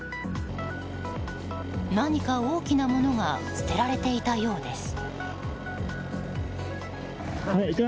何か大きなものが捨てられていたようです。